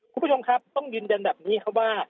คุณผู้ชมครับต้องยืนยันแบบนี้ครับว่า